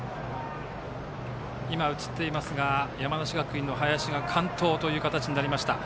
今、映っていますが山梨学院の林が完投という形になりました。